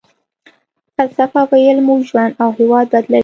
فلسفه ويل مو ژوند او هېواد بدلوي.